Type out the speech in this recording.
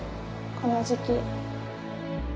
この時期。